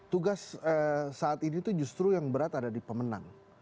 tugas saat ini itu justru yang berat ada di pemenang